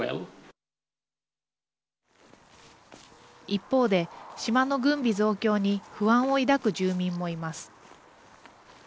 一方で、島の軍備増強に不安を抱く住民もいます。